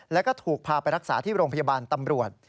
แล้วก็ถูกพาไปรักษาที่โรงพยาบาลตำรวจ